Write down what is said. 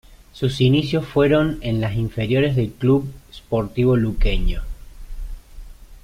Sus inicios fueron en las inferiores del Club Sportivo Luqueño.